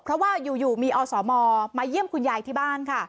เพราะว่าอยู่มีอสมมาเยี่ยมคุณยายที่บ้านค่ะ